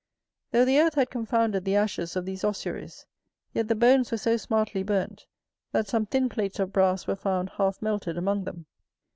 Though the earth had confounded the ashes of these ossuaries, yet the bones were so smartly burnt, that some thin plates of brass were found half melted among them.